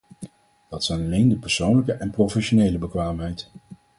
Dat zijn alleen de persoonlijke en professionele bekwaamheid.